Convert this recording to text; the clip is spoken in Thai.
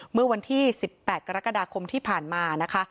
เมื่อวันที่๑๘กรกฎาคมที่ผ่านมานะคะ